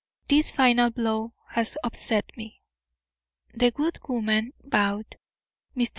This final blow has upset me." The good woman bowed. Mr.